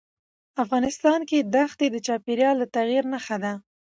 افغانستان کې دښتې د چاپېریال د تغیر نښه ده.